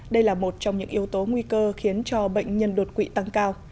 đây là một trong những yếu tố nguy cơ khiến cho bệnh nhân đột quỵ tăng cao